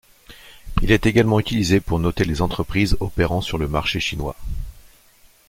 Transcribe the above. Il est également utilisé pour noter les entreprises opérant sur le marché chinois.